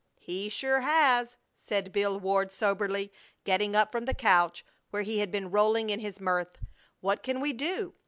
"He sure has!" said Bill Ward, soberly, getting up from the couch where he had been rolling in his mirth. "What can we do?